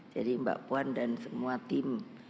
jadi mbak puan dan semua tim